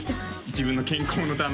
自分の健康のために？